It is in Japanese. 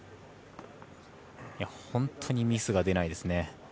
本当にミスが出ないですね。